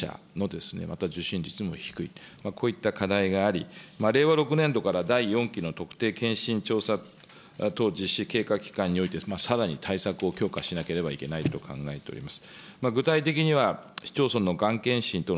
さらにいうと、被用者のまた受診率も低い、こういった課題があり、令和６年度から第４きの特定健診調査等実施期間において、さらに対策を強化しなければいけないと考えております。